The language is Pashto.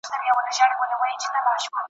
په افغانستان کي د مخدره توکو وده !.